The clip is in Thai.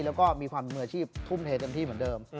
แล้วก็มีความมืออาชีพทุ่มเทเต็มที่เหมือนเดิม